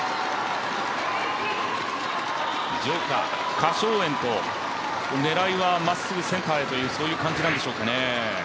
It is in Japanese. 徐佳、何小燕と狙いはまっすぐセンターへとそういう感じなんでしょうかね。